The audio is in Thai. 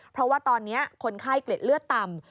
เพราะว่าตอนนี้คนไข้เกล็ดเลือดต่ำ